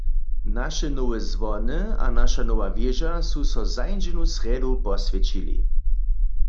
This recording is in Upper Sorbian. Naše nowe zwony a naša nowa wěža su so zańdźenu srjedu poswjećili.